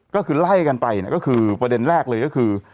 ก็คือไล่กันไปก็คือประเด็นแรกเลยก็คือ